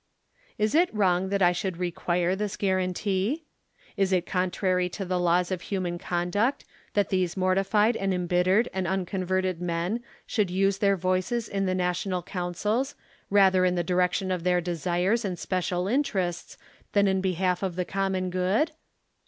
Is it wrong that I should require this guaranty ? Is it contrary to the laws of human conduct, that these morti fied and embittered and unconverted men should use their voices in the national councils, rather in the direction of their desires and special interests than in behalf of the common good?